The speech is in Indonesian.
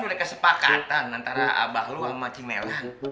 udah kesepakatan antara abah lo sama cik nelan